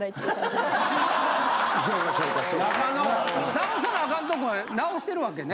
直さなアカンとこは直してるわけね。